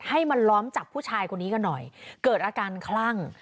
ให้มาล้อมจับผู้ชายคนนี้กันหน่อยเกิดอาการคลั่ง